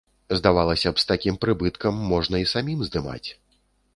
Здавалася б, з такім прыбыткам можна і самім здымаць.